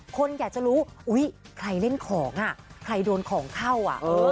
คนอยากจะรู้อุ๊ยใครเล่นของอ่ะใครโดนของเข้าอ่ะ